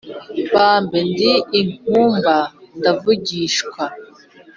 Bambe ndi inkuba ndavugishwa